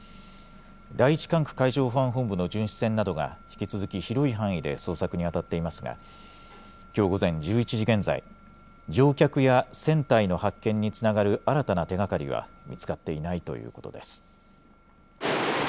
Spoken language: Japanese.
第１管区海上保安本部の巡視船などが引き続き広い範囲で捜索にあたっていますがきょう午前１１時現在、乗客や船体の発見につながる新たな手がかりは見つかっていないということです。